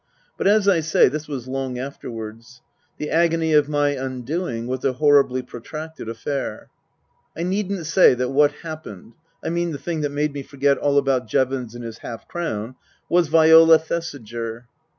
But, as I say, this was long afterwards. The agony of my undoing was a horribly protracted affair. I needn't say that what happened I mean the thing that made me forget all about Jevons and his half crown was Viola Thesiger.